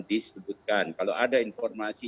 disebutkan kalau ada informasi